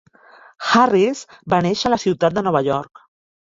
Harris va néixer a la ciutat de Nova York.